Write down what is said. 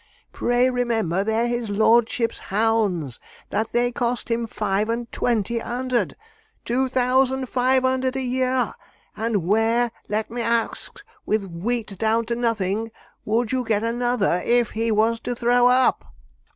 Pray remember they're his lordship's hounds! that they cost him five and twenty under'd two thousand five under'd a year! And where, let me ax, with wheat down to nothing, would you get another, if he was to throw up?'